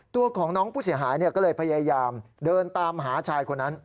ตัวของน้องผู้เสียหายก็เลยพยายามเดินตามหาชายคนนั้น